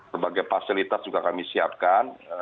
berbagai fasilitas juga kami siapkan